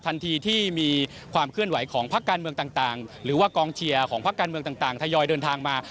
ทันทีที่มีความเคลื่อนไหวของพักการเมืองต่างหรือว่ากองเชียร์ของพักการเมืองต่างทยอยเดินทางมา